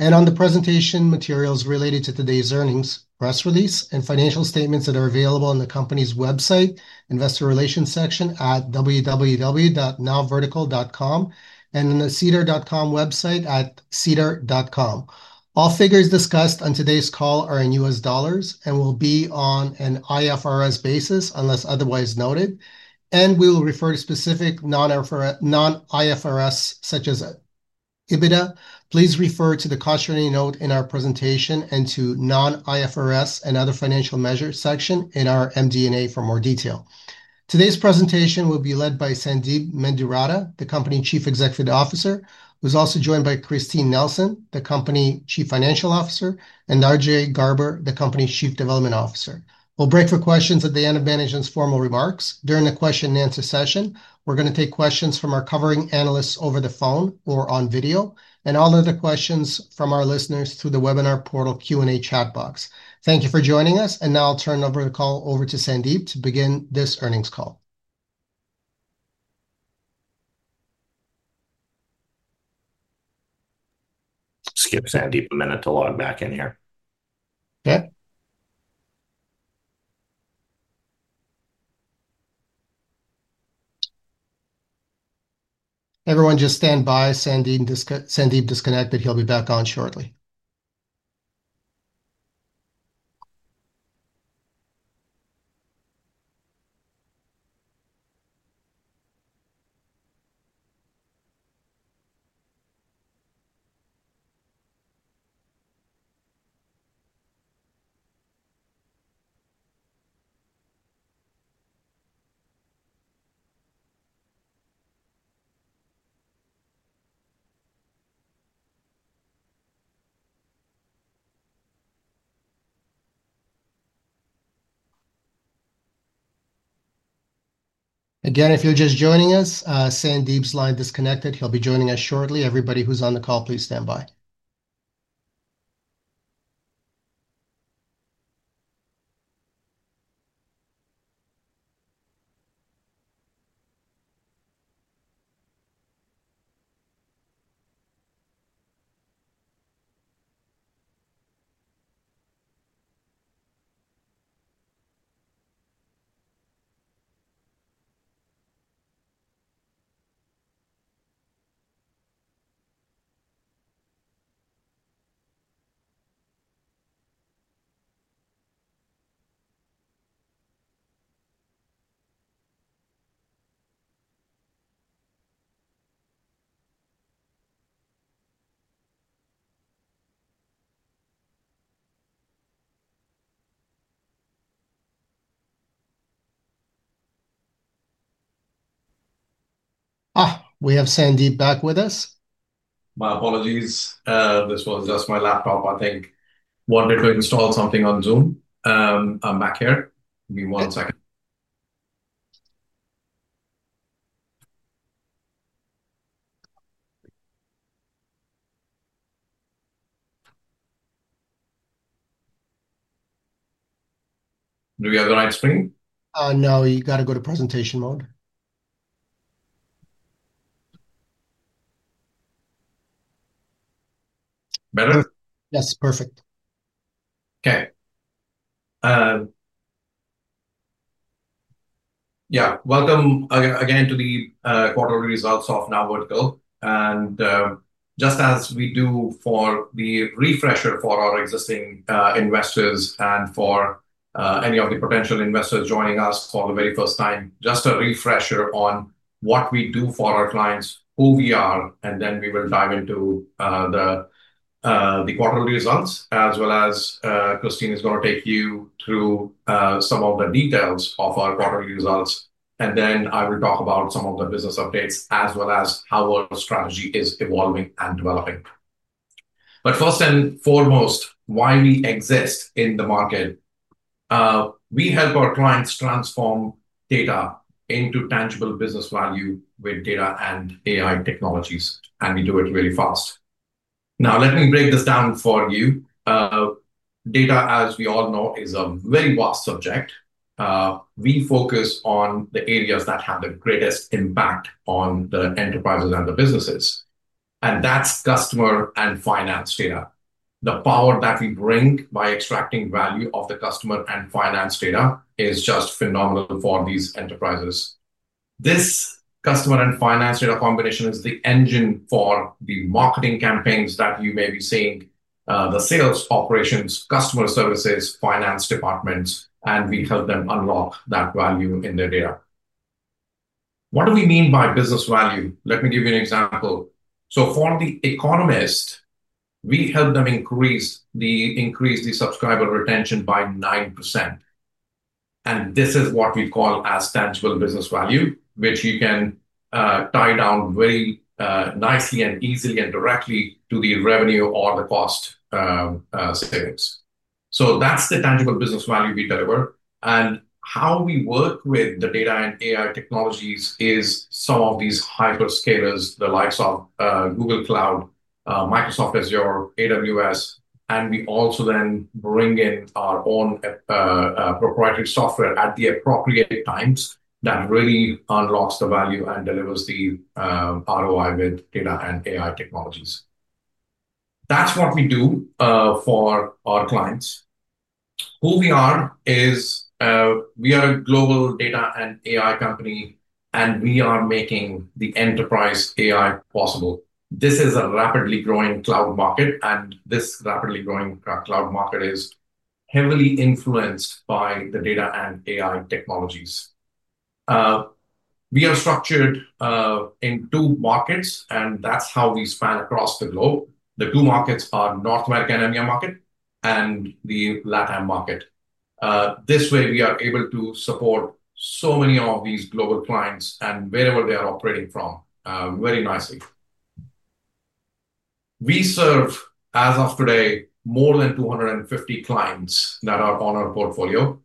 On the presentation materials related to today's earnings, press release, and financial statements that are available on the company's website, investor relations section at www.nowvertical.com, and on the cedar.com website at cedar.com. All figures discussed on today's call are in U.S. dollars and will be on an IFRS basis unless otherwise noted. We will refer to specific non-IFRS, such as EBITDA. Please refer to the cautionary note in our presentation and to the non-IFRS and other financial measures section in our MD&A for more detail. Today's presentation will be led by Sandeep Mendiratta, the Company Chief Executive Officer, who is also joined by Christine Nelson, the Company Chief Financial Officer, and Andre Garber, the Company Chief Development Officer. We'll break for questions at the end of management's formal remarks. During the question-and-answer session, we're going to take questions from our covering analysts over the phone or on video, and all other questions from our listeners through the webinar portal Q&A chat box. Thank you for joining us. Now I'll turn the call over to Sandeep to begin this earnings call. Let's give Sandeep a minute to log back in here. Everyone, just stand by. Sandeep disconnected, he'll be back on shortly. If you're just joining us, Sandeep's line disconnected. He'll be joining us shortly. Everybody who's on the call, please stand by. We have Sandeep back with us. My apologies. This was just my laptop, I think. I wanted to install something on Zoom. I'm back here. Give me one second. Do we have the right screen? No, you got to go to presentation mode. Better? Yes, perfect. Okay. Yeah, welcome again to the quarterly results of NowVertical. Just as we do for the refresher for our existing investors and for any of the potential investors joining us for the very first time, just a refresher on what we do for our clients, who we are, and then we will dive into the quarterly results, as well as Christine is going to take you through some of the details of our quarterly results. I will talk about some of the business updates, as well as how our strategy is evolving and developing. First and foremost, why we exist in the market. We help our clients transform data into tangible business value with data and AI technologies, and we do it really fast. Now, let me break this down for you. Data, as we all know, is a very vast subject. We focus on the areas that have the greatest impact on the enterprises and the businesses. That's customer and finance data. The power that we bring by extracting value off the customer and finance data is just phenomenal for these enterprises. This customer and finance data combination is the engine for the marketing campaigns that you may be seeing, the sales operations, customer services, finance departments, and we help them unlock that value in their data. What do we mean by business value? Let me give you an example. For The Economist, we help them increase the subscriber retention by 9%. This is what we call tangible business value, which you can tie down very nicely and easily and directly to the revenue or the cost savings. That's the tangible business value we deliver. How we work with the data and AI technologies is some of these hyperscalers, the likes of Google Cloud, Microsoft Azure, AWS, and we also then bring in our own proprietary software at the appropriate times that really unlocks the value and delivers the ROI with data and AI technologies. That's what we do for our clients. Who we are is we are a global data and AI company, and we are making the enterprise AI possible. This is a rapidly growing cloud market, and this rapidly growing cloud market is heavily influenced by the data and AI technologies. We are structured in two markets, and that's how we span across the globe. The two markets are the North American and India market and the Latin market. This way, we are able to support so many of these global clients and wherever they are operating from very nicely. We serve, as of today, more than 250 clients that are on our portfolio.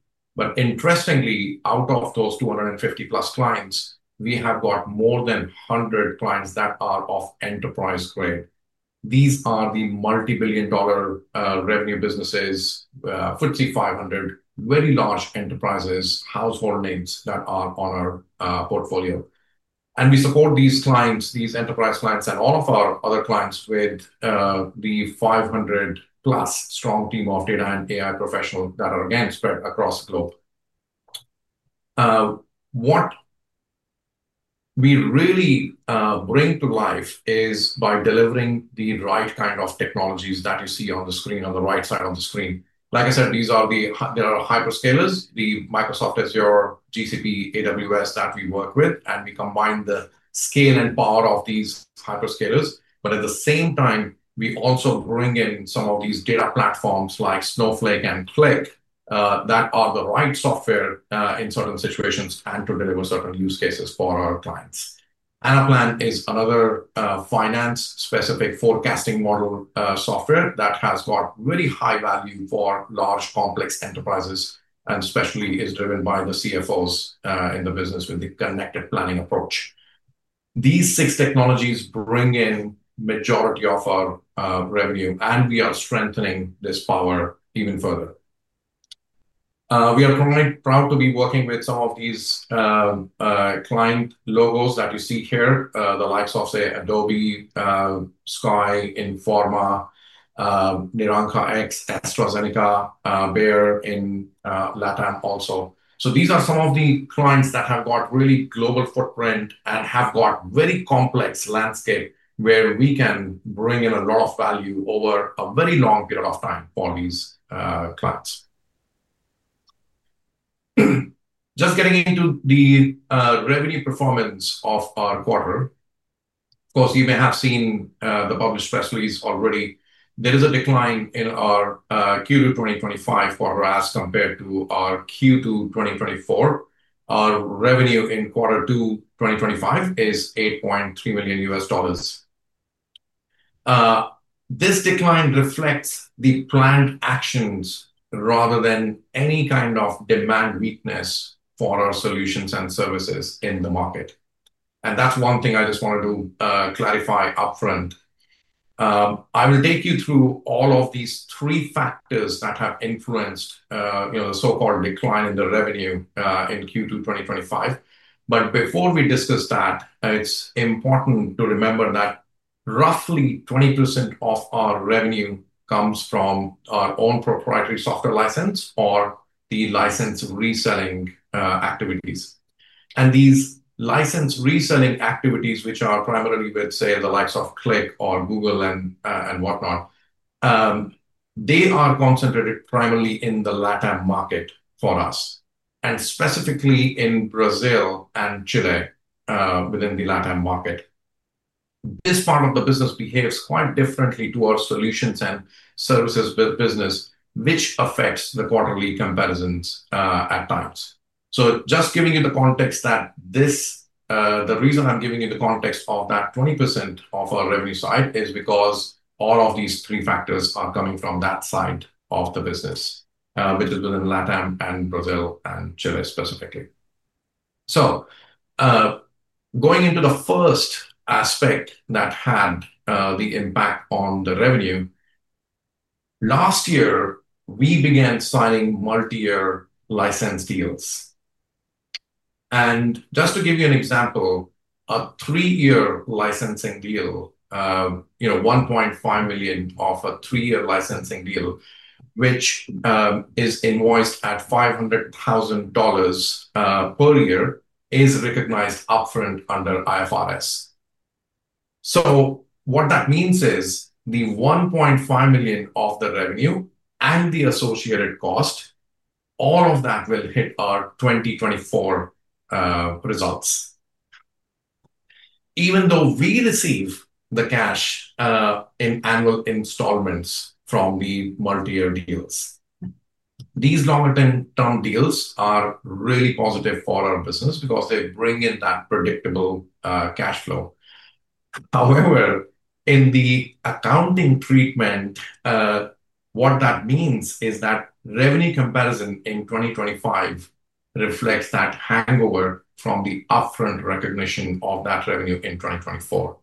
Interestingly, out of those 250+ clients, we have got more than 100 clients that are of enterprise-grade. These are the multi-billion dollar revenue businesses, FTSE 500, very large enterprises, household names that are on our portfolio. We support these clients, these enterprise clients, and all of our other clients with the 500+ strong team of data and AI professionals that are again spread across the globe. What we really bring to life is by delivering the right kind of technologies that you see on the screen on the right side of the screen. Like I said, these are the hyperscalers, the Microsoft Azure, Google Cloud, AWS that we work with, and we combine the scale and power of these hyperscalers. At the same time, we also bring in some of these data platforms like Snowflake and Qlik that are the right software in certain situations and to deliver certain use cases for our clients. Anaplan is another finance-specific forecasting model software that has got very high value for large complex enterprises, and especially is driven by the CFOs in the business with the connected planning approach. These six technologies bring in the majority of our revenue, and we are strengthening this power even further. We are proud to be working with some of these client logos that you see here, the likes of Adobe, Sky, AstraZeneca, Bayer in LATAM also. These are some of the clients that have got really global footprint and have got a very complex landscape where we can bring in a lot of value over a very long period of time for these clients. Just getting into the revenue performance of our quarter, of course, you may have seen the published press release already. There is a decline in our Q2 2025 quarter as compared to our Q2 2024. Our revenue in quarter two 2025 is $8.3 million. This decline reflects the planned actions rather than any kind of demand weakness for our solutions and services in the market. That's one thing I just wanted to clarify upfront. I will take you through all of these three factors that have influenced the so-called decline in the revenue in Q2 2025. Before we discuss that, it's important to remember that roughly 20% of our revenue comes from our own proprietary software license or the license reselling activities. These license reselling activities, which are primarily with, say, the likes of Qlik or Google Cloud and whatnot, are concentrated primarily in the LATAM market for us, and specifically in Brazil and Chile within the LATAM market. This part of the business behaves quite differently from our solutions and services business, which affects the quarterly comparisons at times. The reason I'm giving you the context of that 20% of our revenue side is because all of these three factors are coming from that side of the business, which is within LATAM and Brazil and Chile specifically. Going into the first aspect that had the impact on the revenue, last year, we began filing multi-year license deals. Just to give you an example, a three-year licensing deal, $1.5 million of a three-year licensing deal, which is invoiced at $500,000 per year, is recognized upfront under IFRS. What that means is the $1.5 million of the revenue and the associated cost, all of that will hit our 2024 results. Even though we receive the cash in annual installments from the multi-year deals, these longer-term deals are really positive for our business because they bring in that predictable cash flow. However, in the accounting treatment, what that means is that revenue comparison in 2025 reflects that hangover from the upfront recognition of that revenue in 2024.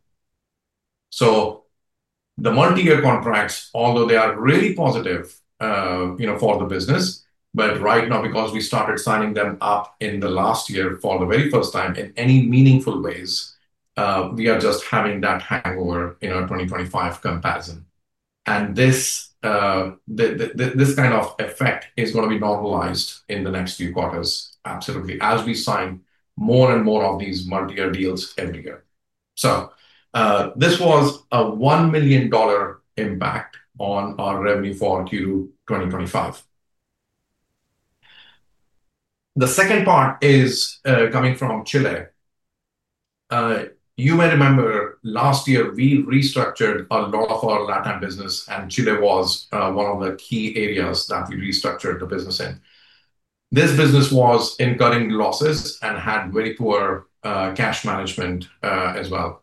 The multi-year contracts, although they are really positive for the business, right now, because we started signing them up in the last year for the very first time in any meaningful ways, we are just having that hangover in our 2025 comparison. This kind of effect is going to be normalized in the next few quarters, absolutely, as we sign more and more of these multi-year deals every year. This was a $1 million impact on our revenue for Q2 2025. The second part is coming from Chile. You may remember last year we restructured a lot of our LATAM business, and Chile was one of the key areas that we restructured the business in. This business was incurring losses and had very poor cash management as well.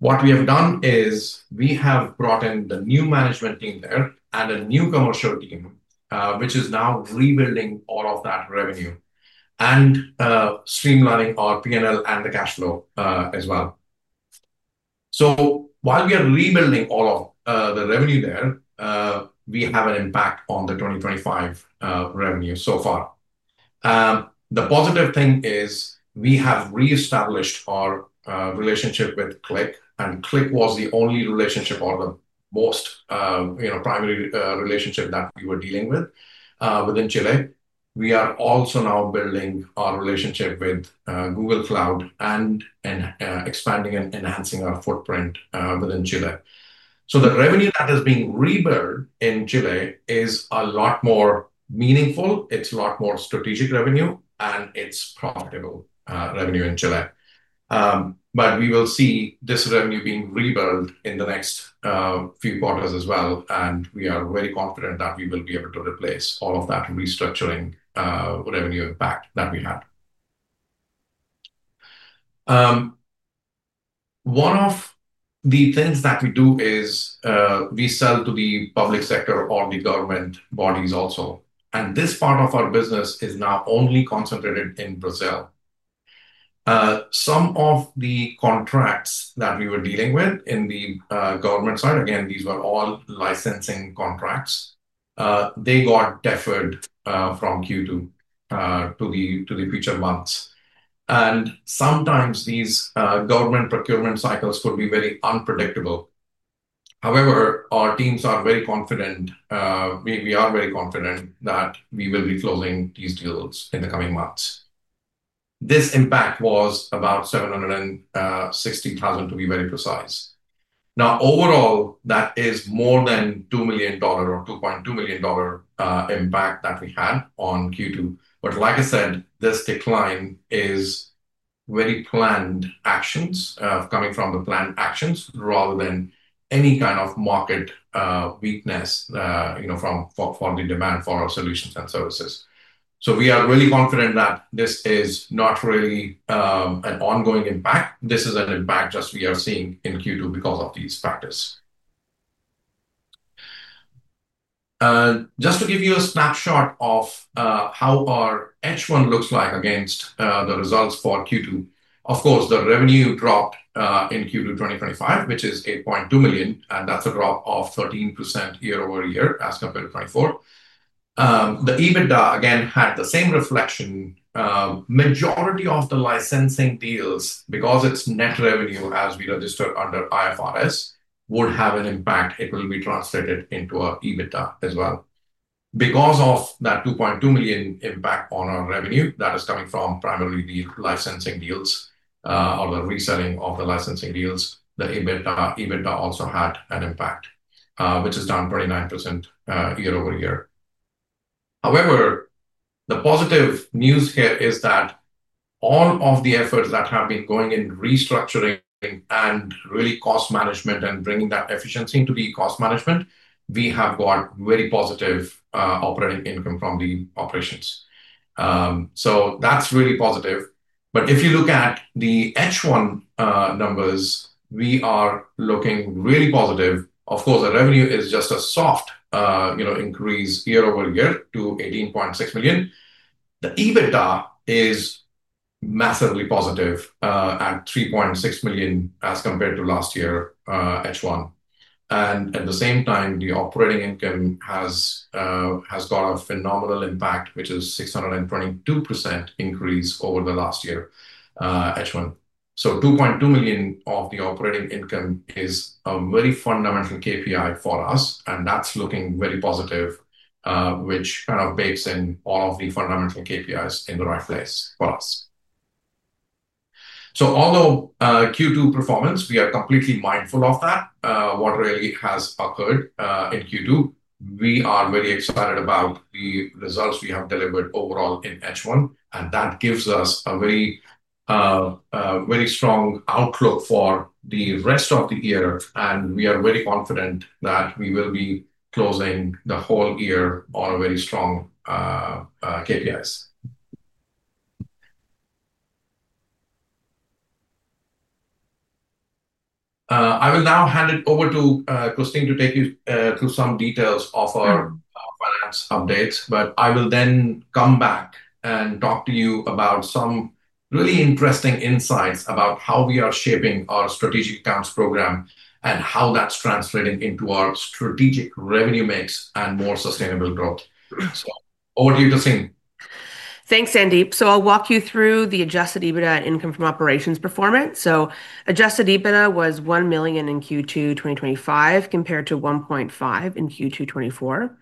What we have done is we have brought in the new management team there and a new commercial team, which is now rebuilding all of that revenue and streamlining our P&L and the cash flow as well. While we are rebuilding all of the revenue there, we have an impact on the 2025 revenue so far. The positive thing is we have reestablished our relationship with Qlik, and Qlik was the only relationship or the most, you know, primary relationship that we were dealing with within Chile. We are also now building our relationship with Google Cloud and expanding and enhancing our footprint within Chile. The revenue that is being rebuilt in Chile is a lot more meaningful. It's a lot more strategic revenue, and it's profitable revenue in Chile. We will see this revenue being rebuilt in the next few quarters as well, and we are very confident that we will be able to replace all of that restructuring revenue impact that we had. One of the things that we do is we sell to the public sector or the government bodies also. This part of our business is now only concentrated in Brazil. Some of the contracts that we were dealing with in the government side, again, these were all licensing contracts. They got deferred from Q2 to the future months. Sometimes these government procurement cycles could be very unpredictable. However, our teams are very confident. We are very confident that we will be closing these deals in the coming months. This impact was about $760,000 to be very precise. Overall, that is more than $2 million or $2.2 million impact that we had on Q2. Like I said, this decline is very planned actions coming from the planned actions rather than any kind of market weakness, you know, from the demand for our solutions and services. We are really confident that this is not really an ongoing impact. This is an impact just we are seeing in Q2 because of these factors. Just to give you a snapshot of how our H1 looks like against the results for Q2. Of course, the revenue dropped in Q2 2025, which is $8.2 million, and that's a drop of 13% year-over-year as compared to 2024. The EBITDA, again, had the same reflection. The majority of the licensing deals, because it's net revenue as we register under IFRS, would have an impact. It will be translated into our EBITDA as well. Because of that $2.2 million impact on our revenue that is coming from primarily the licensing deals or the reselling of the licensing deals, the EBITDA also had an impact, which is down 29% year-over-year. However, the positive news here is that all of the efforts that have been going in restructuring and really cost management and bringing that efficiency to be cost management, we have got very positive operating income from the operations. That's really positive. If you look at the H1 numbers, we are looking really positive. Of course, the revenue is just a soft, you know, increase year-over-year to $18.6 million. The EBITDA is massively positive at $3.6 million as compared to last year H1. At the same time, the operating income has got a phenomenal impact, which is a 622% increase over last year H1. $2.2 million of the operating income is a very fundamental KPI for us, and that's looking very positive, which kind of bathes in all of the fundamental KPIs in the right place for us. Although Q2 performance, we are completely mindful of that, what really has occurred in Q2, we are very excited about the results we have delivered overall in H1. That gives us a very strong outlook for the rest of the year, and we are very confident that we will be closing the whole year on very strong KPIs. I will now hand it over to Christine to take you through some details of our updates, but I will then come back and talk to you about some really interesting insights about how we are shaping our strategic accounts program and how that's translating into our strategic revenue mix and more sustainable growth. Over to you, Christine. Thanks, Sandeep. I'll walk you through the adjusted EBITDA income from operations performance. Adjusted EBITDA was $1 million in Q2 2025 compared to $1.5 million in Q2 2024.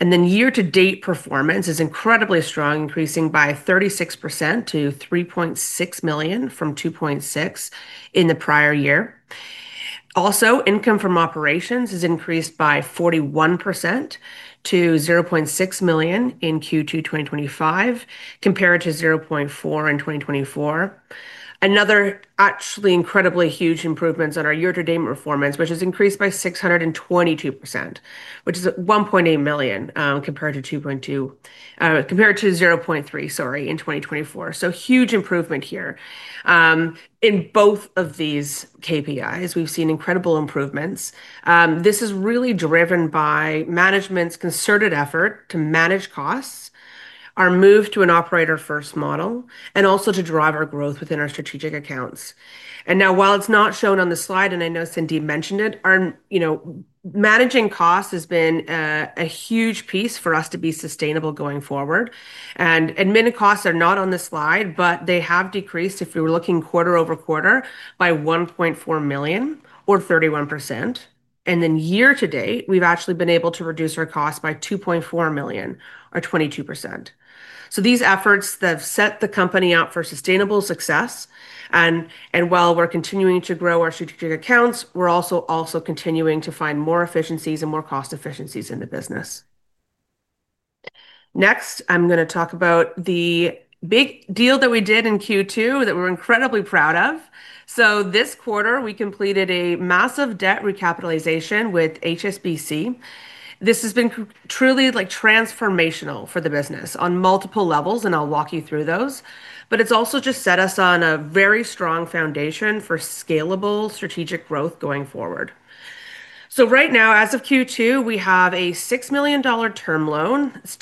Year-to-date performance is incredibly strong, increasing by 36% to $3.6 million from $2.6 million in the prior year. Income from operations has increased by 41% to $0.6 million in Q2 2025 compared to $0.4 million in 2024. Another actually incredibly huge improvement is on our year-to-date performance, which has increased by 622%, which is $1.8 million compared to $0.3 million in 2024. Huge improvement here. In both of these KPIs, we've seen incredible improvements. This is really driven by management's concerted effort to manage costs, our move to an operator-first model, and also to drive our growth within our strategic accounts. While it's not shown on the slide, and I know Sandeep mentioned it, our managing costs has been a huge piece for us to be sustainable going forward. Admitted costs are not on the slide, but they have decreased, if we were looking quarter-over-quarter, by $1.4 million or 31%. Year to date, we've actually been able to reduce our costs by $2.4 million or 22%. These efforts have set the company up for sustainable success. While we're continuing to grow our strategic accounts, we're also continuing to find more efficiencies and more cost efficiencies in the business. Next, I'm going to talk about the big deal that we did in Q2 that we're incredibly proud of. This quarter, we completed a massive debt recapitalization with HSBC. This has been truly transformational for the business on multiple levels, and I'll walk you through those. It's also just set us on a very strong foundation for scalable strategic growth going forward. Right now, as of Q2, we have a $6 million term loan that's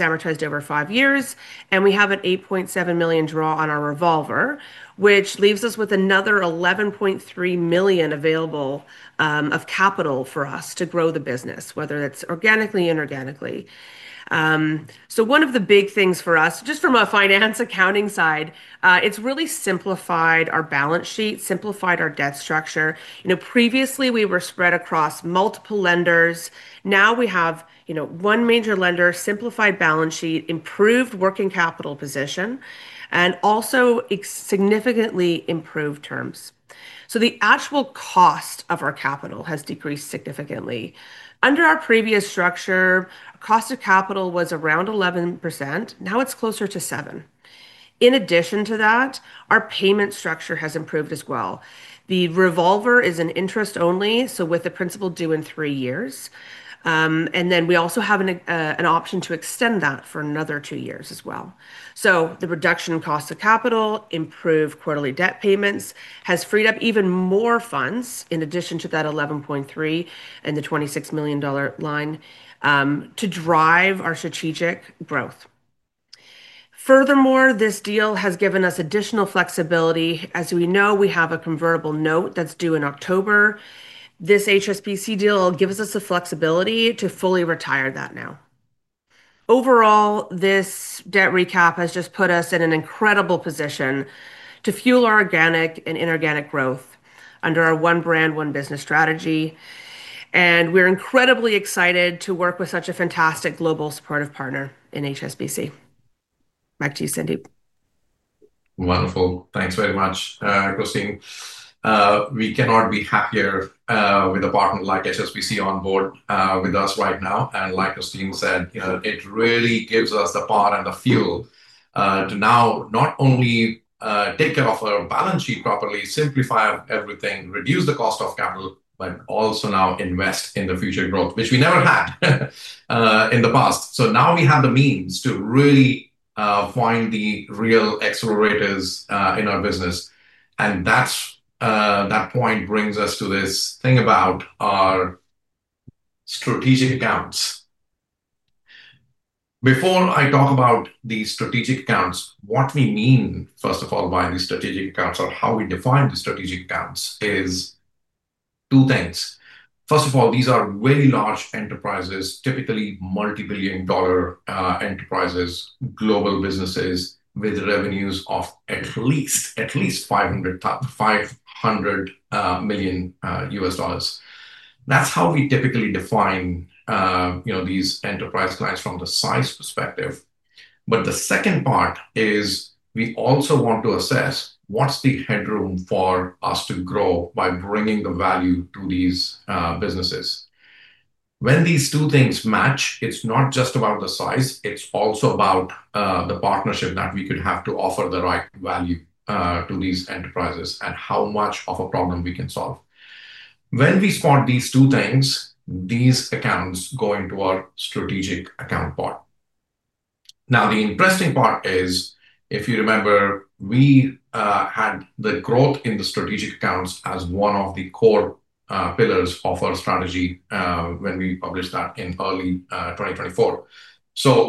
amortized over five years, and we have an $8.7 million draw on our revolver, which leaves us with another $11.3 million available of capital for us to grow the business, whether that's organically or inorganically. One of the big things for us, just from a finance accounting side, it's really simplified our balance sheet, simplified our debt structure. Previously, we were spread across multiple lenders. Now we have one major lender, simplified balance sheet, improved working capital position, and also significantly improved terms. The actual cost of our capital has decreased significantly. Under our previous structure, cost of capital was around 11%. Now it's closer to 7%. In addition to that, our payment structure has improved as well. The revolver is an interest only, with the principal due in three years. We also have an option to extend that for another two years as well. The reduction in cost of capital and improved quarterly debt payments has freed up even more funds in addition to that $11.3 million and the $26 million line to drive our strategic growth. Furthermore, this deal has given us additional flexibility. As we know, we have a convertible note that's due in October. This HSBC deal gives us the flexibility to fully retire that now. Overall, this debt recap has just put us in an incredible position to fuel our organic and inorganic growth under our one brand, one business strategy. We're incredibly excited to work with such a fantastic global supportive partner in HSBC. Back to you, Sandeep. Wonderful. Thanks very much, Christine. We cannot be happier with a partner like HSBC on board with us right now. Like Christine said, it really gives us the power and the fuel to now not only take care of our balance sheet properly, simplify everything, reduce the cost of capital, but also now invest in the future growth, which we never had in the past. Now we have the means to really find the real accelerators in our business. That point brings us to this thing about our strategic accounts. Before I talk about these strategic accounts, what we mean, first of all, by these strategic accounts or how we define the strategic accounts is two things. First of all, these are really large enterprises, typically multi-billion dollar enterprises, global businesses with revenues of at least $500 million. That's how we typically define these enterprise clients from the size perspective. The second part is we also want to assess what's the headroom for us to grow by bringing the value to these businesses. When these two things match, it's not just about the size. It's also about the partnership that we could have to offer the right value to these enterprises and how much of a problem we can solve. When we spot these two things, these accounts go into our strategic account part. The interesting part is, if you remember, we had the growth in the strategic accounts as one of the core pillars of our strategy when we published that in early 2024.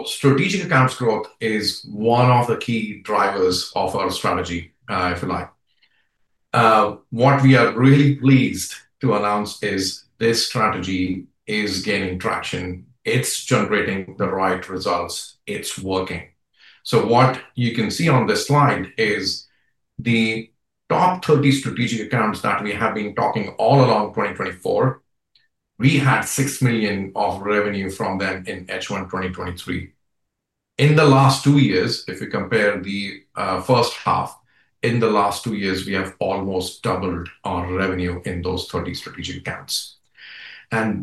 Strategic accounts growth is one of the key drivers of our strategy, if you like. What we are really pleased to announce is this strategy is gaining traction. It's generating the right results. It's working. What you can see on this slide is the top 30 strategic accounts that we have been talking all along 2024. We had $6 million of revenue from them in H1 2023. In the last two years, if we compare the first half, in the last two years, we have almost doubled our revenue in those 30 strategic accounts.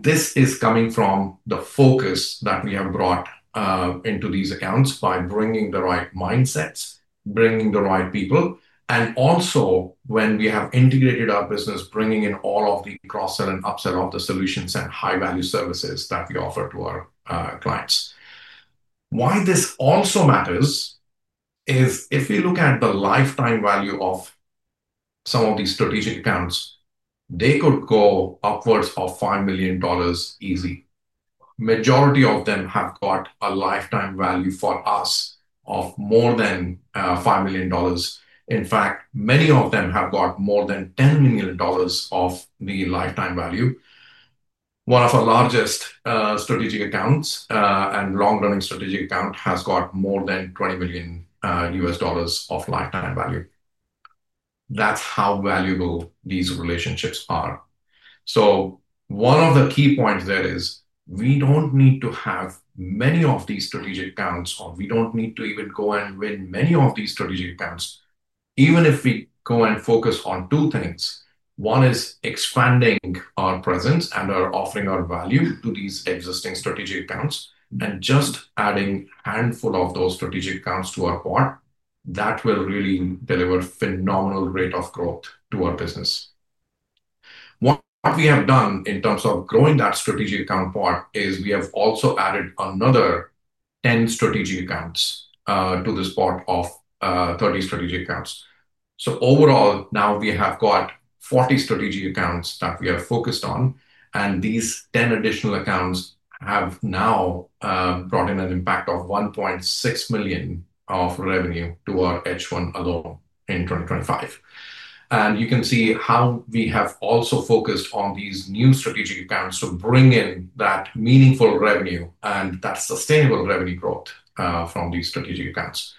This is coming from the focus that we have brought into these accounts by bringing the right mindsets, bringing the right people, and also when we have integrated our business, bringing in all of the cross-sell and upsell of the solutions and high-value services that we offer to our clients. Why this also matters is if we look at the lifetime value of some of these strategic accounts, they could go upwards of $5 million easily. The majority of them have got a lifetime value for us of more than $5 million. In fact, many of them have got more than $10 million of the lifetime value. One of the largest strategic accounts and long-running strategic accounts has got more than $20 million U.S. dollars of lifetime value. That's how valuable these relationships are. One of the key points there is we don't need to have many of these strategic accounts, or we don't need to even go and win many of these strategic accounts. Even if we go and focus on two things, one is expanding our presence and offering our value to these existing strategic accounts and just adding a handful of those strategic accounts to our port, that will really deliver a phenomenal rate of growth to our business. What we have done in terms of growing that strategic account port is we have also added another 10 strategic accounts to this port of 30 strategic accounts. Overall, now we have got 40 strategic accounts that we have focused on, and these 10 additional accounts have now brought in an impact of $1.6 million of revenue to our H1 alone in 2025. You can see how we have also focused on these new strategic accounts to bring in that meaningful revenue and that sustainable revenue growth from these strategic accounts.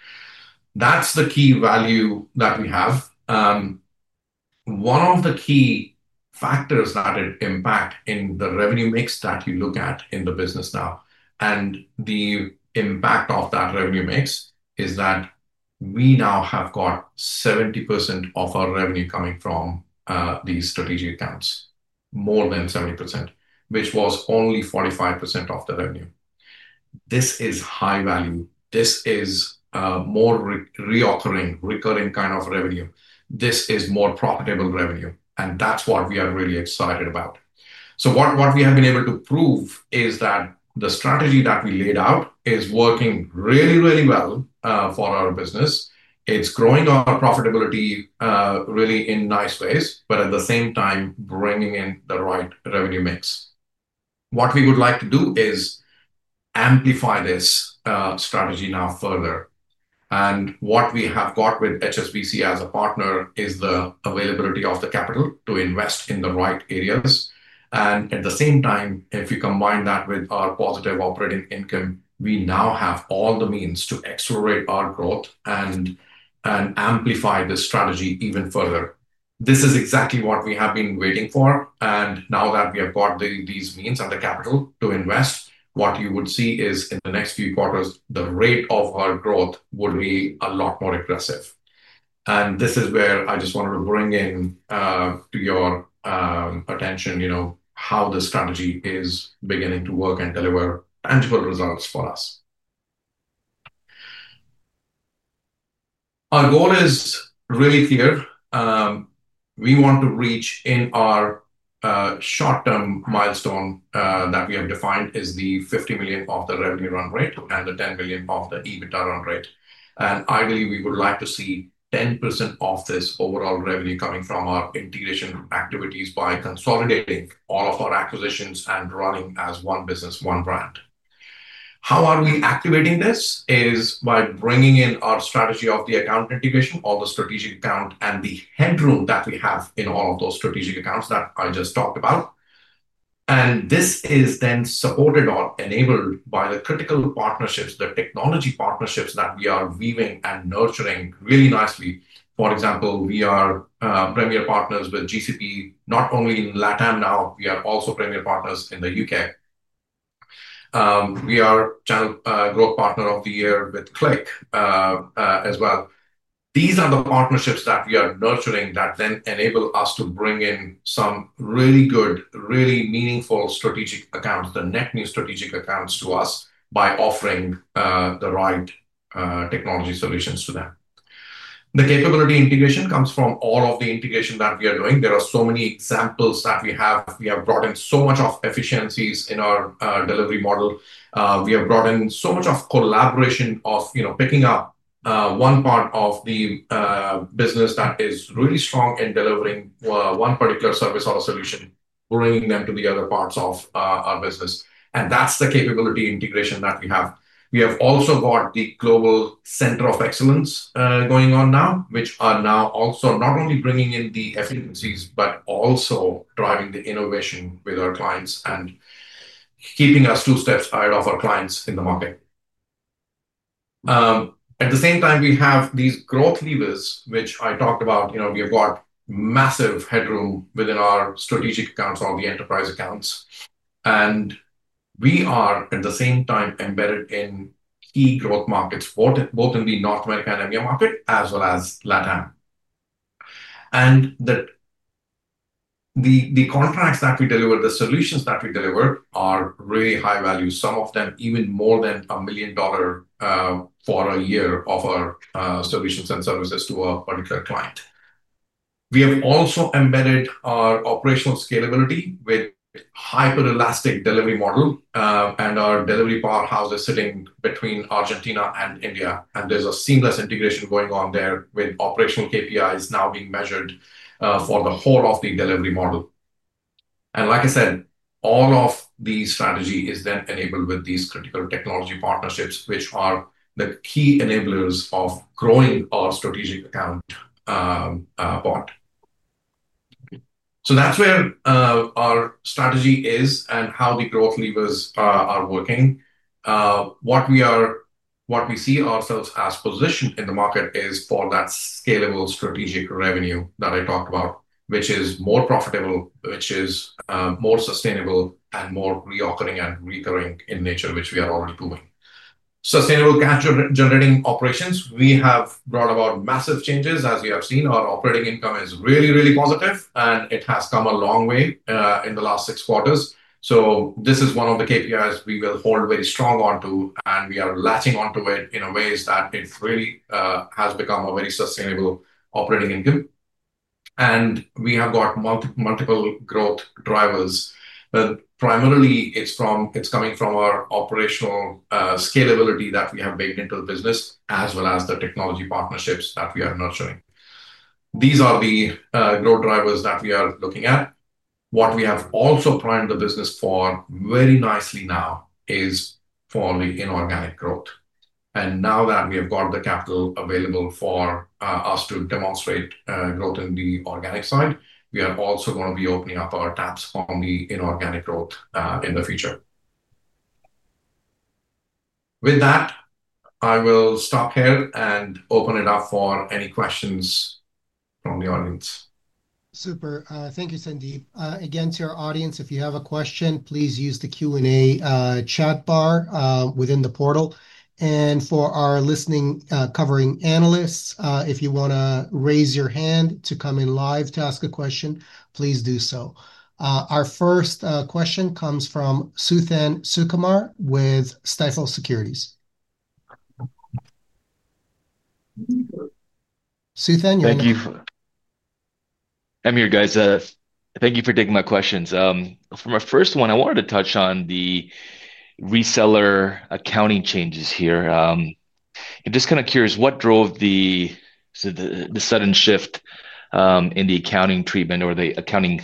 That's the key value that we have. One of the key factors that it impacts in the revenue mix that you look at in the business now, and the impact of that revenue mix is that we now have got 70% of our revenue coming from these strategic accounts, more than 70%, which was only 45% of the revenue. This is high value. This is more recurring kind of revenue. This is more profitable revenue, and that's what we are really excited about. What we have been able to prove is that the strategy that we laid out is working really, really well for our business. It's growing our profitability really in nice ways, but at the same time, bringing in the right revenue mix. What we would like to do is amplify this strategy now further. What we have got with HSBC as a partner is the availability of the capital to invest in the right areas. At the same time, if we combine that with our positive operating income, we now have all the means to accelerate our growth and amplify this strategy even further. This is exactly what we have been waiting for. Now that we have got these means and the capital to invest, what you would see is in the next few quarters, the rate of our growth will be a lot more aggressive. This is where I just wanted to bring in your attention, you know, how the strategy is beginning to work and deliver tangible results for us. Our goal is really clear. We want to reach, in our short-term milestone that we have defined, the $50 million revenue run rate and the $10 million EBITDA run rate. I believe we would like to see 10% of this overall revenue coming from our integration activities by consolidating all of our acquisitions and running as one business, one brand. How are we activating this is by bringing in our strategy of the account integration, all the strategic accounts, and the headroom that we have in all of those strategic accounts that I just talked about. This is then supported or enabled by the critical partnerships, the technology partnerships that we are weaving and nurturing really nicely. For example, we are premier partners with GCP, not only in LATAM now, we are also premier partners in the UK. We are a channel growth partner of the year with Qlik as well. These are the partnerships that we are nurturing that then enable us to bring in some really good, really meaningful strategic accounts, the net new strategic accounts to us by offering the right technology solutions to them. The capability integration comes from all of the integration that we are doing. There are so many examples that we have. We have brought in so much of efficiencies in our delivery model. We have brought in so much of collaboration of, you know, picking up one part of the business that is really strong in delivering one particular service or a solution, bringing them to the other parts of our business. That's the capability integration that we have. We have also got the global center of excellence going on now, which are now also not only bringing in the efficiencies, but also driving the innovation with our clients and keeping us two steps ahead of our clients in the market. At the same time, we have these growth levers, which I talked about. We have got massive headroom within our strategic accounts or the enterprise accounts. We are, at the same time, embedded in key growth markets, both in the North American and India market, as well as LATAM. The contracts that we deliver, the solutions that we deliver are really high value, some of them even more than $1 million for a year of our solutions and services to our particular client. We have also embedded our operational scalability with a hyper-elastic delivery model, and our delivery powerhouse is sitting between Argentina and India. There is a seamless integration going on there with operational KPIs now being measured for the whole of the delivery model. All of the strategy is then enabled with these critical technology partnerships, which are the key enablers of growing our strategic account port. That is where our strategy is and how the growth levers are working. What we see ourselves as positioned in the market is for that scalable strategic revenue that I talked about, which is more profitable, which is more sustainable, and more recurring in nature, which we have already proven. Sustainable cash-generating operations, we have brought about massive changes, as we have seen. Our operating income is really, really positive, and it has come a long way in the last six quarters. This is one of the KPIs we will hold very strong on to, and we are latching on to it in a way that it really has become a very sustainable operating income. We have got multiple growth drivers. Primarily, it is coming from our operational scalability that we have baked into the business, as well as the technology partnerships that we are nurturing. These are the growth drivers that we are looking at. What we have also primed the business for very nicely now is for the inorganic growth. Now that we have got the capital available for us to demonstrate growth in the organic side, we are also going to be opening up our taps on the inorganic growth in the future. With that, I will stop here and open it up for any questions from the audience. Super. Thank you, Sandeep. Again, to our audience, if you have a question, please use the Q&A chat bar within the portal. For our listening covering analysts, if you want to raise your hand to come in live to ask a question, please do so. Our first question comes from Suthan Sukumar with Stifel Securities. Suthan, you're next. Thank you. I'm here, guys. Thank you for taking my questions. For my first one, I wanted to touch on the reseller accounting changes here. I'm just kind of curious, what drove the sudden shift in the accounting treatment or the accounting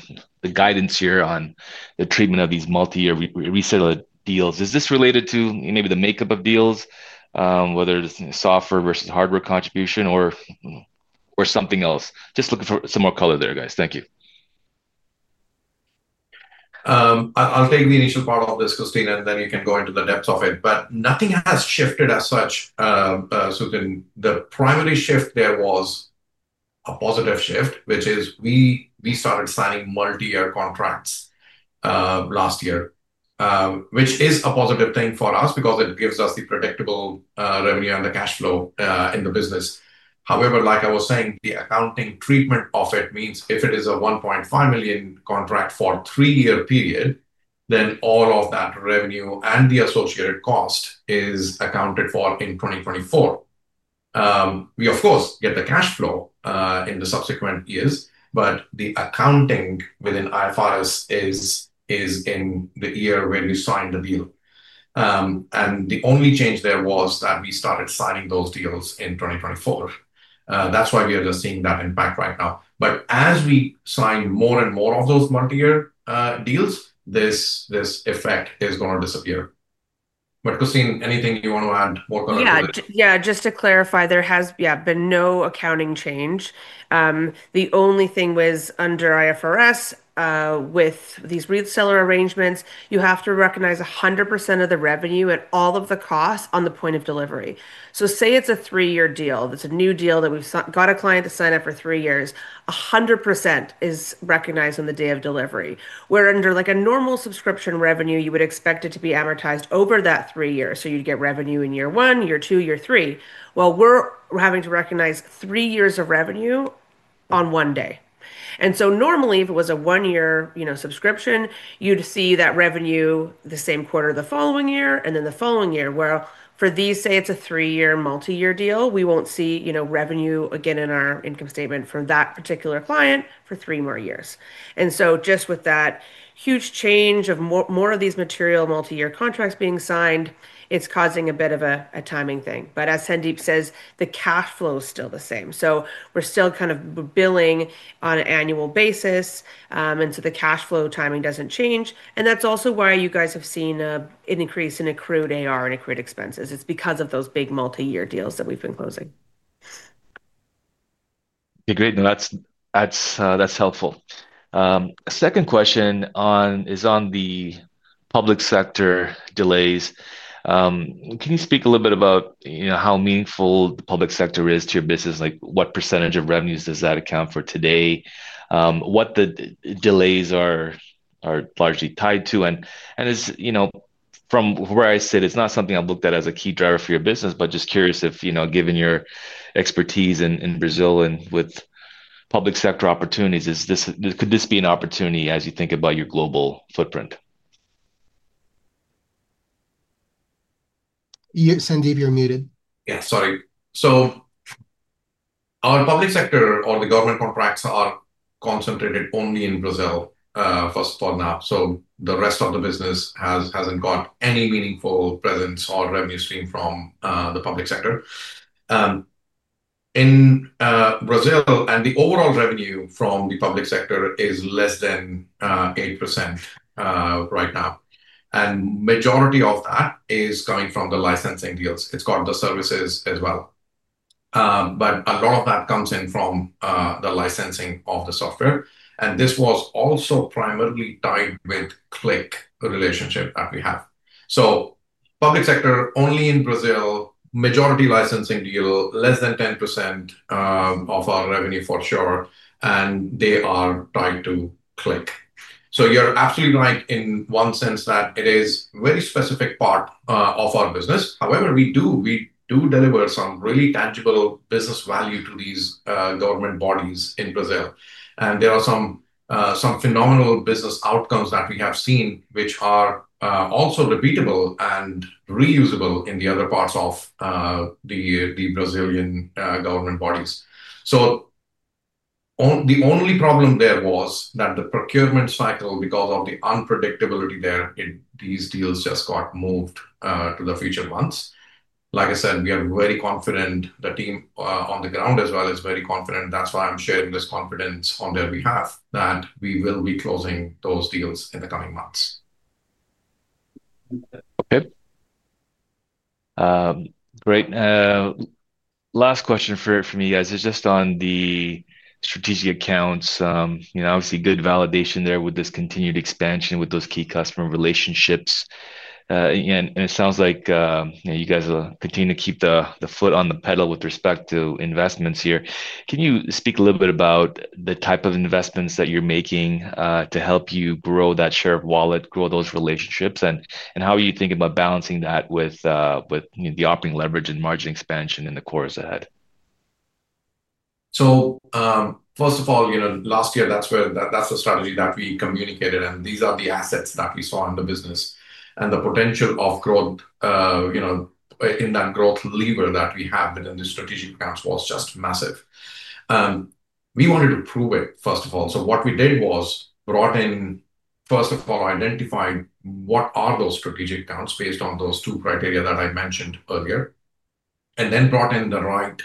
guidance here on the treatment of these multi-year reseller deals? Is this related to maybe the makeup of deals, whether it's software versus hardware contribution or something else? Just looking for some more color there, guys. Thank you. I'll take the initial part of this, Christine, and then you can go into the depths of it. Nothing has shifted as such. The primary shift there was a positive shift, which is we started signing multi-year contracts last year, which is a positive thing for us because it gives us the predictable revenue and the cash flow in the business. However, like I was saying, the accounting treatment of it means if it is a $1.5 million contract for a three-year period, then all of that revenue and the associated cost is accounted for in 2024. We, of course, get the cash flow in the subsequent years, but the accounting within IFRS is in the year when you sign the deal. The only change there was that we started signing those deals in 2024. That's why we are just seeing that impact right now. As we sign more and more of those multi-year deals, this effect is going to disappear. Christine, anything you want to add? Yeah, just to clarify, there has been no accounting change. The only thing was under IFRS with these reseller arrangements, you have to recognize 100% of the revenue and all of the costs on the point of delivery. Say it's a three-year deal. It's a new deal that we've got a client to sign up for three years. 100% is recognized on the day of delivery. Under a normal subscription revenue, you would expect it to be amortized over that three years. You'd get revenue in year one, year two, year three. We're having to recognize three years of revenue on one day. Normally, if it was a one-year subscription, you'd see that revenue the same quarter the following year and then the following year. For these, say it's a three-year multi-year deal, we won't see revenue again in our income statement from that particular client for three more years. Just with that huge change of more of these material multi-year contracts being signed, it's causing a bit of a timing thing. As Sandeep says, the cash flow is still the same. We're still kind of billing on an annual basis, and the cash flow timing doesn't change. That's also why you guys have seen an increase in accrued AR and accrued expenses. It's because of those big multi-year deals that we've been closing. Okay, great. No, that's helpful. Second question is on the public sector delays. Can you speak a little bit about how meaningful the public sector is to your business? Like what % of revenues does that account for today? What the delays are largely tied to? As you know, from where I sit, it's not something I've looked at as a key driver for your business, but just curious if, you know, given your expertise in Brazil and with public sector opportunities, could this be an opportunity as you think about your global footprint? Sandeep, you're muted. Yeah, sorry. Our public sector or the government contracts are concentrated only in Brazil, first of all, now. The rest of the business hasn't got any meaningful presence or revenue stream from the public sector. In Brazil, the overall revenue from the public sector is less than 8% right now, and the majority of that is coming from the licensing deals. It's got the services as well, but a lot of that comes in from the licensing of the software. This was also primarily tied with the Qlik relationship that we have. Public sector only in Brazil, majority licensing deal, less than 10% of our revenue for sure, and they are tied to Qlik. You're absolutely right in one sense that it is a very specific part of our business. However, we do deliver some really tangible business value to these government bodies in Brazil, and there are some phenomenal business outcomes that we have seen, which are also repeatable and reusable in the other parts of the Brazilian government bodies. The only problem there was that the procurement cycle, because of the unpredictability there in these deals, just got moved to the future months. Like I said, we are very confident, the team on the ground as well is very confident. That's why I'm sharing this confidence on their behalf that we will be closing those deals in the coming months. Okay. Great. Last question for you guys. It's just on the strategic accounts. Obviously, good validation there with this continued expansion with those key customer relationships. It sounds like you guys will continue to keep the foot on the pedal with respect to investments here. Can you speak a little bit about the type of investments that you're making to help you grow that share of wallet, grow those relationships? How are you thinking about balancing that with the operating leverage and margin expansion in the quarters ahead? First of all, last year, that's the strategy that we communicated. These are the assets that we saw in the business, and the potential of growth in that growth lever that we have within the strategic accounts was just massive. We wanted to prove it, first of all. What we did was brought in, first of all, identifying what are those strategic accounts based on those two criteria that I mentioned earlier, and then brought in the right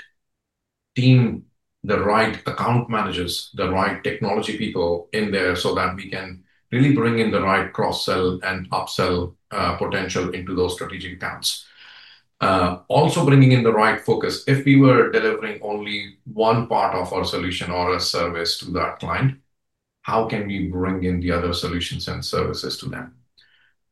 team, the right account managers, the right technology people in there so that we can really bring in the right cross-sell and upsell potential into those strategic accounts. Also bringing in the right focus. If we were delivering only one part of our solution or a service to that client, how can we bring in the other solutions and services to them?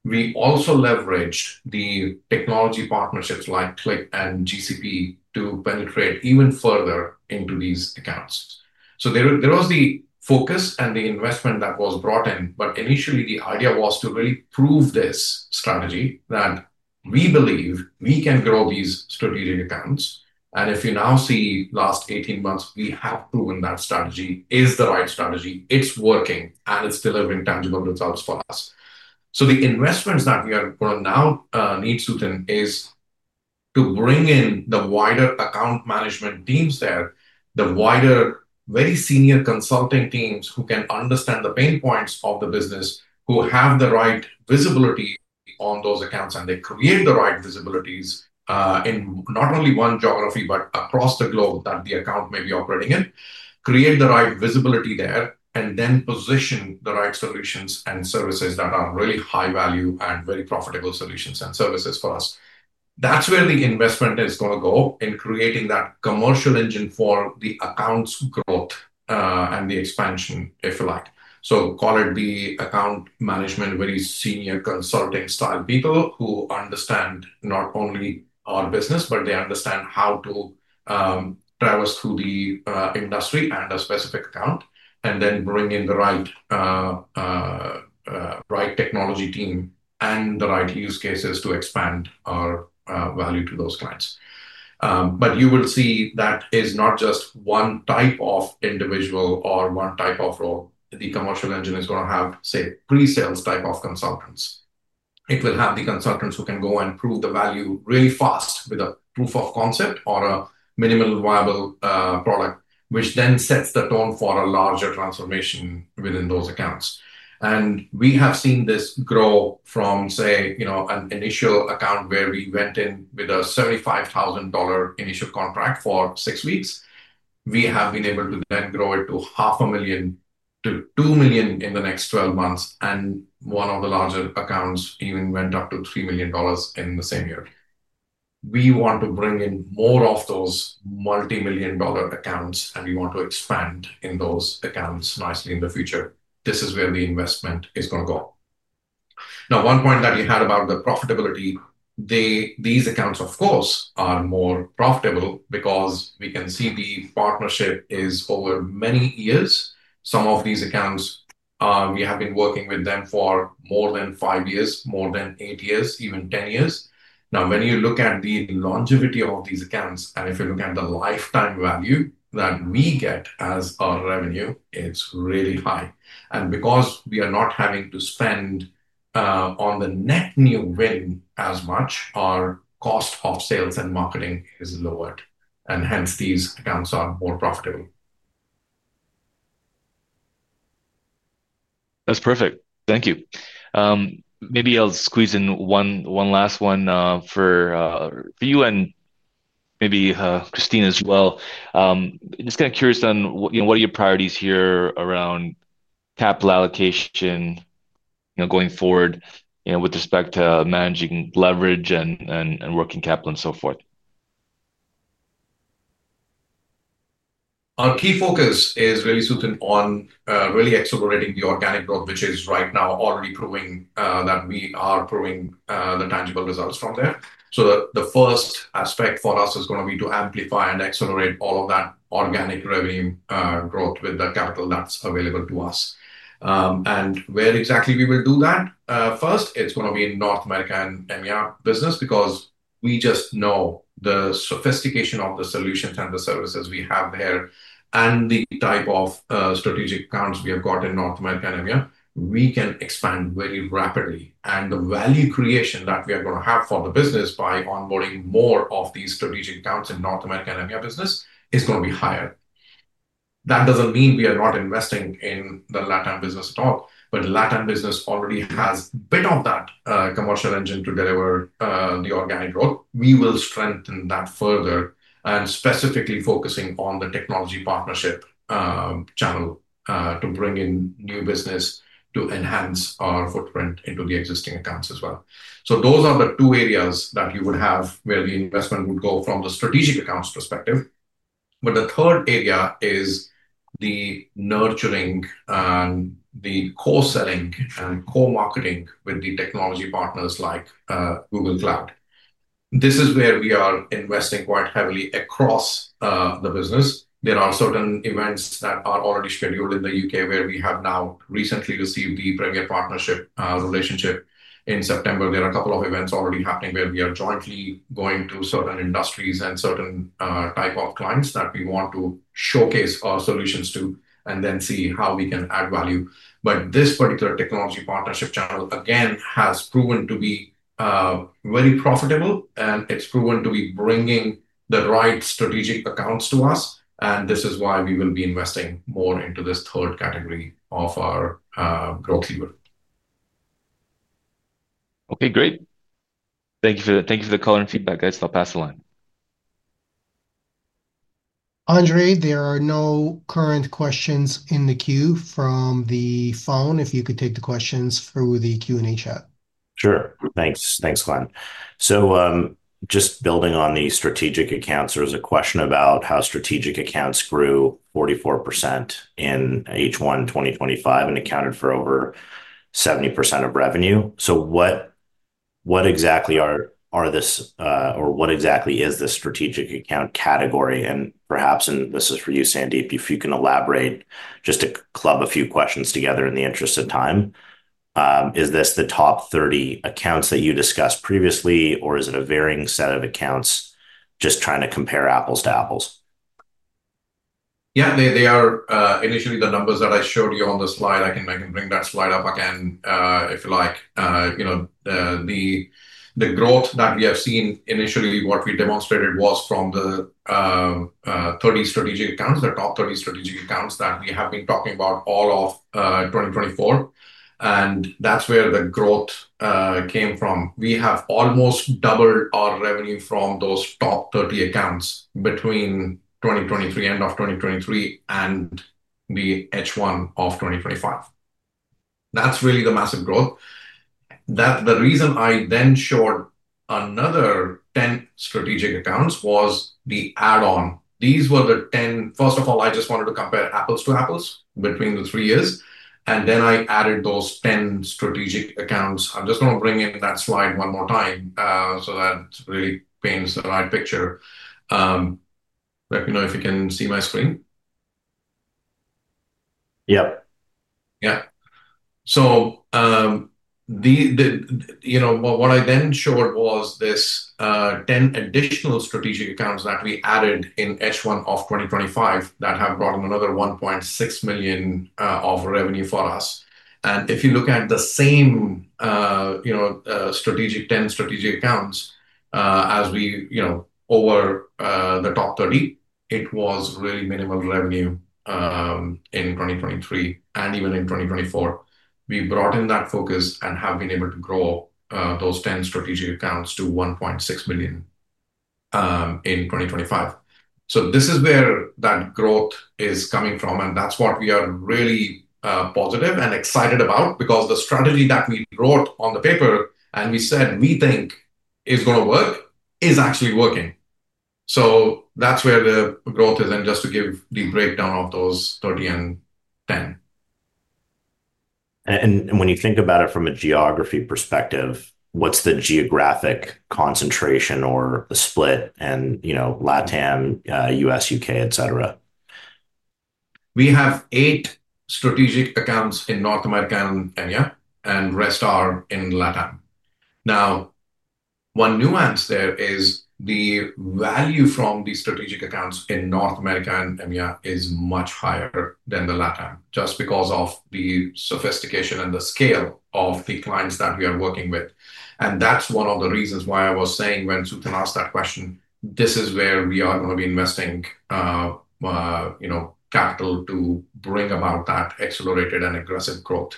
We also leveraged the technology partnerships like Qlik and GCP to penetrate even further into these accounts. There was the focus and the investment that was brought in. Initially, the idea was to really prove this strategy that we believe we can grow these strategic accounts. If you now see the last 18 months, we have proven that strategy is the right strategy. It's working, and it's delivering tangible results for us. The investments that we now need to do is to bring in the wider account management teams there, the wider, very senior consulting teams who can understand the pain points of the business, who have the right visibility on those accounts, and they create the right visibilities in not only one geography, but across the globe that the account may be operating in, create the right visibility there, and then position the right solutions and services that are really high value and very profitable solutions and services for us. That's where the investment is going to go in creating that commercial engine for the accounts growth and the expansion, if you like. Call it the account management, very senior consulting style people who understand not only our business, but they understand how to traverse through the industry and a specific account, and then bring in the right technology team and the right use cases to expand our value to those clients. You will see that is not just one type of individual or one type of role. The commercial engine is going to have, say, pre-sales type of consultants. It will have the consultants who can go and prove the value really fast with a proof of concept or a minimal viable product, which then sets the tone for a larger transformation within those accounts. We have seen this grow from, say, an initial account where we went in with a $75,000 initial contract for six weeks. We have been able to then grow it to $500,000 to $2 million in the next 12 months. One of the larger accounts even went up to $3 million in the same year. We want to bring in more of those multimillion dollar accounts, and we want to expand in those accounts nicely in the future. This is where the investment is going to go. Now, one point that you had about the profitability, these accounts, of course, are more profitable because we can see the partnership is over many years. Some of these accounts, we have been working with them for more than five years, more than eight years, even 10 years. When you look at the longevity of these accounts, and if you look at the lifetime value that we get as our revenue, it's really high. Because we are not having to spend on the net new win as much, our cost of sales and marketing is lowered. Hence, these accounts are more profitable. That's perfect. Thank you. Maybe I'll squeeze in one last one for you and maybe Christine as well. I'm just kind of curious on what are your priorities here around capital allocation going forward with respect to managing leverage and working capital and so forth. Our key focus is really on accelerating the organic growth, which is right now already proving that we are proving the tangible results from there. The first aspect for us is going to be to amplify and accelerate all of that organic revenue growth with the capital that's available to us. Where exactly will we do that? First, it's going to be in North American and EMEA business because we just know the sophistication of the solutions and the services we have there and the type of strategic accounts we have got in North American and EMEA. We can expand very rapidly. The value creation that we are going to have for the business by onboarding more of these strategic accounts in North American and EMEA business is going to be higher. That doesn't mean we are not investing in the LATAM business at all, but the LATAM business already has a bit of that commercial engine to deliver the organic growth. We will strengthen that further and specifically focus on the technology partnership channel to bring in new business to enhance our footprint into the existing accounts as well. Those are the two areas that you would have where the investment would go from the strategic accounts perspective. The third area is the nurturing and the co-selling and co-marketing with the technology partners like Google Cloud. This is where we are investing quite heavily across the business. There are certain events that are already scheduled in the UK where we have now recently received the premier partnership relationship in September. There are a couple of events already happening where we are jointly going to certain industries and certain types of clients that we want to showcase our solutions to and then see how we can add value. This particular technology partnership channel, again, has proven to be very profitable, and it's proven to be bringing the right strategic accounts to us. This is why we will be investing more into this third category of our growth lever. Okay, great. Thank you for the color and feedback, guys. I'll pass the line. Andre, there are no current questions in the queue from the phone. If you could take the questions through the Q&A chat. Sure. Thanks, Juan. Just building on the strategic accounts, there was a question about how strategic accounts grew 44% in H1 2025 and accounted for over 70% of revenue. What exactly is this strategic account category? Perhaps, and this is for you, Sandeep, if you can elaborate just to club a few questions together in the interest of time. Is this the top 30 accounts that you discussed previously, or is it a varying set of accounts just trying to compare apples to apples? Yeah, they are. Initially, the numbers that I showed you on the slide, I can bring that slide up again if you like. You know, the growth that we have seen initially, what we demonstrated was from the 30 strategic accounts, the top 30 strategic accounts that we have been talking about all of 2024. That's where the growth came from. We have almost doubled our revenue from those top 30 accounts between 2023 and the end of 2023 and the H1 of 2025. That's really the massive growth. The reason I then showed another 10 strategic accounts was the add-on. These were the 10, first of all, I just wanted to compare apples to apples between the three years. I added those 10 strategic accounts. I'm just going to bring in that slide one more time so that it really paints the right picture. Let me know if you can see my screen. Yep. Yeah. What I then showed was this 10 additional strategic accounts that we added in H1 of 2025 that have brought in another $1.6 million of revenue for us. If you look at the same 10 strategic accounts as we, you know, over the top 30, it was really minimal revenue in 2023 and even in 2024. We brought in that focus and have been able to grow those 10 strategic accounts to $1.6 million in 2025. This is where that growth is coming from. That's what we are really positive and excited about because the strategy that we wrote on the paper and we said we think is going to work is actually working. That's where the growth is in, just to give the breakdown of those 30 and 10. When you think about it from a geography perspective, what's the geographic concentration or the split in LATAM, U.S., U.K., et cetera? We have eight strategic accounts in North America and EMEA, and the rest are in LATAM. Now, one nuance there is the value from the strategic accounts in North America and EMEA is much higher than the LATAM, just because of the sophistication and the scale of the clients that we are working with. That's one of the reasons why I was saying when Suthan asked that question, this is where we are going to be investing capital to bring about that accelerated and aggressive growth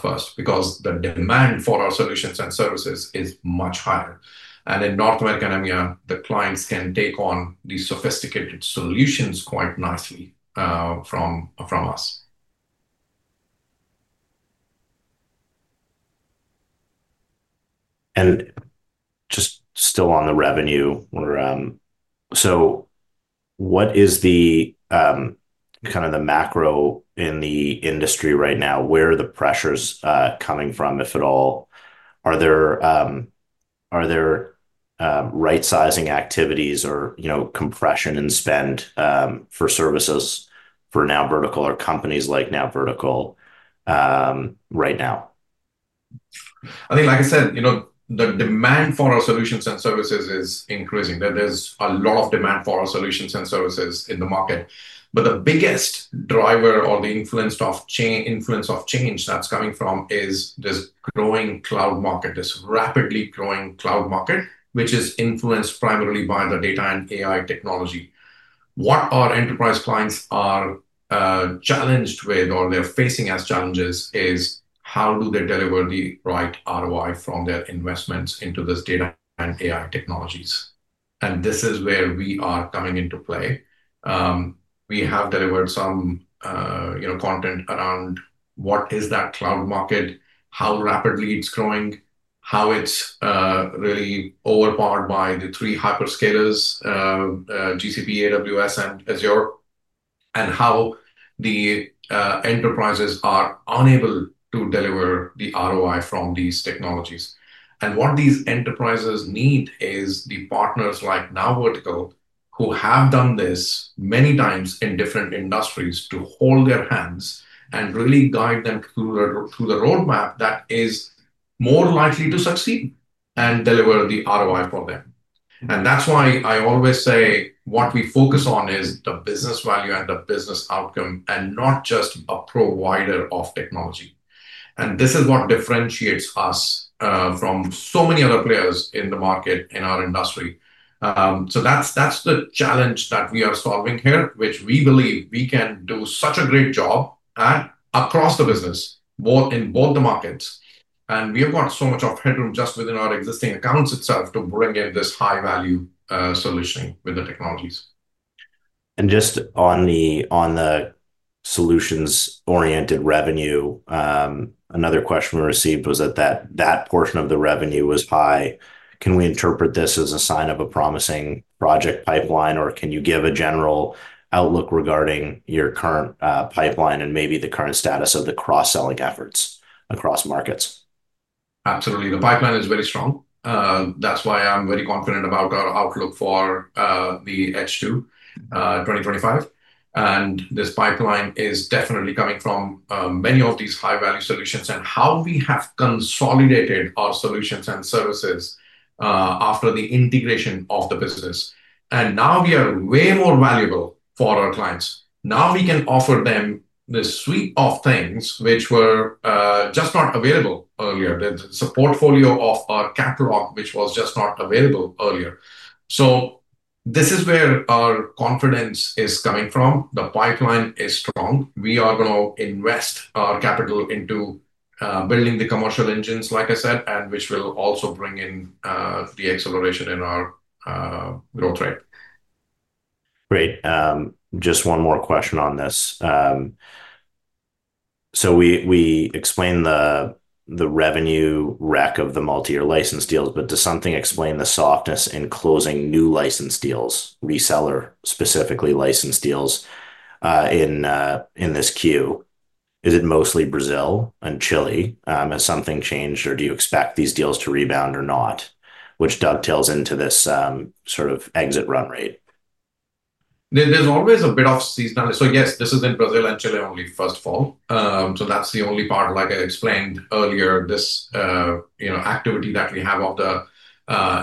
first because the demand for our solutions and services is much higher. In North America and EMEA, the clients can take on these sophisticated solutions quite nicely from us. Just still on the revenue, what is the kind of the macro in the industry right now? Where are the pressures coming from, if at all? Are there right-sizing activities or compression in spend for services for NowVertical or companies like NowVertical right now? I think, like I said, the demand for our solutions and services is increasing. There's a lot of demand for our solutions and services in the market. The biggest driver or the influence of change that's coming from is this growing cloud market, this rapidly growing cloud market, which is influenced primarily by the data and AI technology. What our enterprise clients are challenged with or they're facing as challenges is how do they deliver the right ROI from their investments into this data and AI technologies? This is where we are coming into play. We have delivered some content around what is that cloud market, how rapidly it's growing, how it's really overpowered by the three hyperscalers, GCP, AWS, and Azure, and how the enterprises are unable to deliver the ROI from these technologies. What these enterprises need is the partners like NowVertical, who have done this many times in different industries, to hold their hands and really guide them through the roadmap that is more likely to succeed and deliver the ROI for them. That's why I always say what we focus on is the business value and the business outcome and not just a provider of technology. This is what differentiates us from so many other players in the market, in our industry. That's the challenge that we are solving here, which we believe we can do such a great job at across the business, both in both the markets. We have got so much of headroom just within our existing accounts itself to bring in this high-value solution with the technologies. On the solutions-oriented revenue, another question we received was that portion of the revenue was high. Can we interpret this as a sign of a promising project pipeline, or can you give a general outlook regarding your current pipeline and maybe the current status of the cross-selling efforts across markets? Absolutely. The pipeline is very strong. That's why I'm very confident about our outlook for H2 2025. This pipeline is definitely coming from many of these high-value solutions and how we have consolidated our solutions and services after the integration of the business. Now we are way more valuable for our clients. Now we can offer them this suite of things which were just not available earlier. There's a portfolio of our catalog which was just not available earlier. This is where our confidence is coming from. The pipeline is strong. We are going to invest our capital into building the commercial engines, like I said, which will also bring in the acceleration in our growth rate. Great. Just one more question on this. We explained the revenue rack of the multi-year license deals, but does something explain the softness in closing new license deals, reseller-specifically license deals in this Q? Is it mostly Brazil and Chile? Has something changed, or do you expect these deals to rebound or not, which dovetails into this sort of exit run rate? There's always a bit of seasonality. Yes, this is in Brazil and Chile only, first of all. That's the only part, like I explained earlier, this activity that we have of the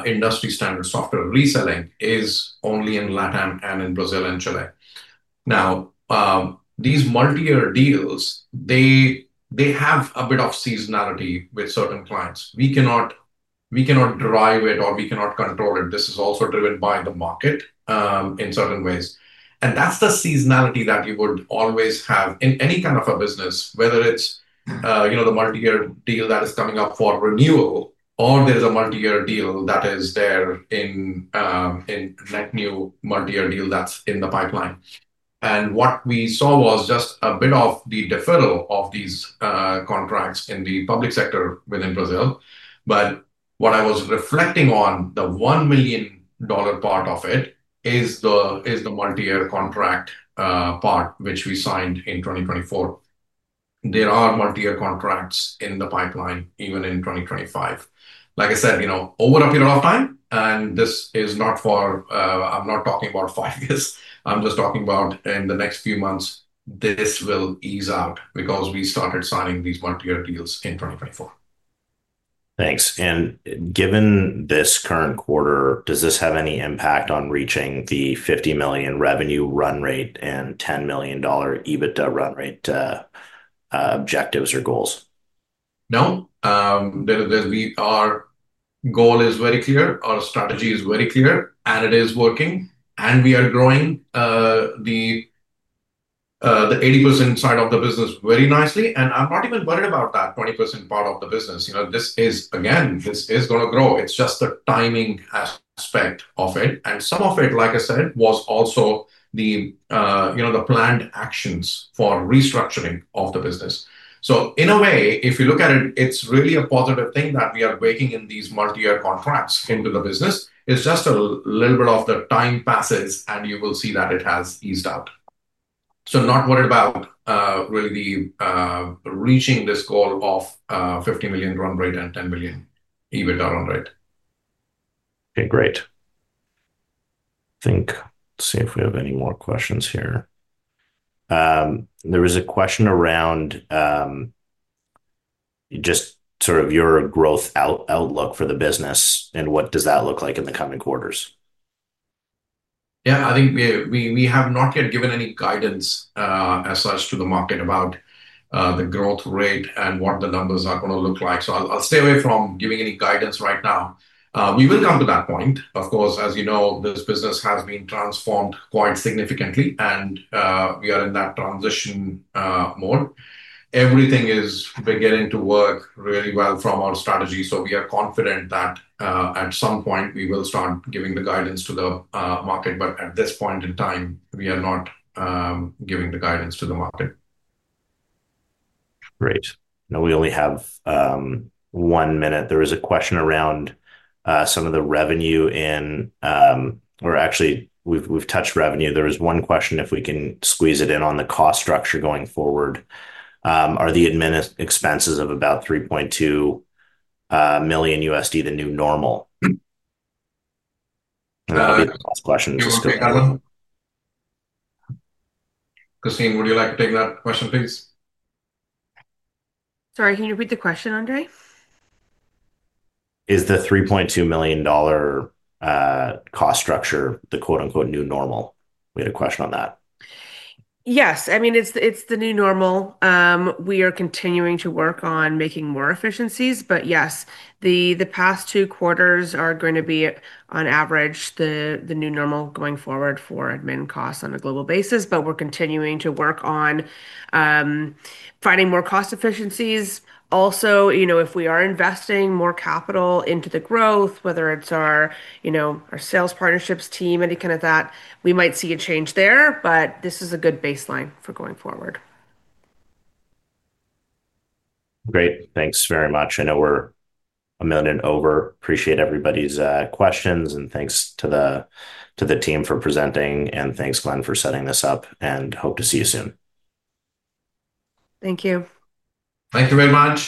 industry standard software reselling is only in LATAM and in Brazil and Chile. These multi-year deals have a bit of seasonality with certain clients. We cannot drive it or we cannot control it. This is also driven by the market in certain ways. That's the seasonality that you would always have in any kind of a business, whether it's the multi-year deal that is coming up for renewal or there's a multi-year deal that is there in that new multi-year deal that's in the pipeline. What we saw was just a bit of the deferral of these contracts in the public sector within Brazil. What I was reflecting on, the $1 million part of it is the multi-year contract part which we signed in 2024. There are multi-year contracts in the pipeline even in 2025. Like I said, over a period of time, and this is not for, I'm not talking about five years. I'm just talking about in the next few months, this will ease out because we started signing these multi-year deals in 2024. Thank you. Given this current quarter, does this have any impact on reaching the $50 million revenue run rate and $10 million EBITDA run rate objectives or goals? No. Our goal is very clear. Our strategy is very clear, and it is working. We are growing the 80% side of the business very nicely. I'm not even worried about that 20% part of the business. This is, again, going to grow. It's just the timing aspect of it. Some of it, like I said, was also the planned actions for restructuring of the business. In a way, if you look at it, it's really a positive thing that we are baking in these multi-year contracts into the business. It's just a little bit of the time passes, and you will see that it has eased out. Not worried about really reaching this goal of $50 million run rate and $10 million EBITDA run rate. Okay, great. I think let's see if we have any more questions here. There was a question around just sort of your growth outlook for the business and what does that look like in the coming quarters? Yeah, I think we have not yet given any guidance as such to the market about the growth rate and what the numbers are going to look like. I'll stay away from giving any guidance right now. We will come to that point. Of course, as you know, this business has been transformed quite significantly, and we are in that transition mode. Everything is beginning to work really well from our strategy. We are confident that at some point we will start giving the guidance to the market. At this point in time, we are not giving the guidance to the market. Great. Now we only have one minute. There is a question around some of the revenue in, or actually, we've touched revenue. There is one question if we can squeeze it in on the cost structure going forward. Are the admin expenses of about $3.2 million USD the new normal? That would be the last question. Christine, would you like to take that question, please? Sorry, can you repeat the question, Andre? Is the $3.2 million cost structure the quote-unquote "new normal"? We had a question on that. Yes, I mean, it's the new normal. We are continuing to work on making more efficiencies. Yes, the past two quarters are going to be, on average, the new normal going forward for admin costs on a global basis. We're continuing to work on finding more cost efficiencies. Also, if we are investing more capital into the growth, whether it's our sales partnerships team, any kind of that, we might see a change there. This is a good baseline for going forward. Great. Thanks very much. I know we're a minute over. Appreciate everybody's questions, and thanks to the team for presenting. Thanks, Glen, for setting this up. Hope to see you soon. Thank you. Thank you very much.